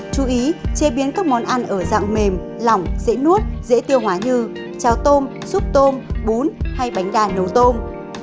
chú ý chế biến các món ăn ở dạng mềm lỏng dễ nuốt dễ tiêu hóa như trào tôm súp tôm bún hay bánh gà nấu tôm